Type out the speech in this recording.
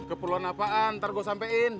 keperluan apaan ntar gue sampein